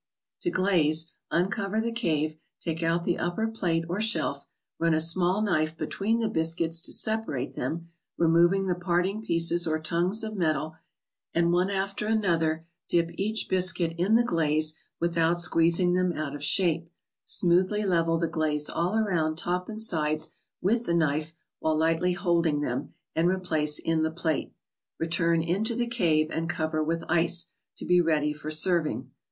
To glaze, uncover the cave, take out the upper plate or shelf, run a small knife between the biscuits to separate them, removing the parting pieces or tongues of metal, and one after another dip each biscuit in the glaze without squeez¬ ing them out of shape; smoothly level the glaze all around top and sides with the knife, while lightly holding them, and replace in the plate. Return into the cave and cover with ice, to be ready for serving.